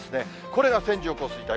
これが線状降水帯。